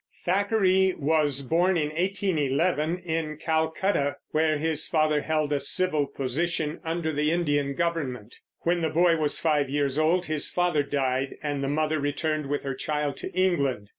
Thackeray was born in 1811, in Calcutta, where his father held a civil position under the Indian government. When the boy was five years old his father died, and the mother returned with her child to England.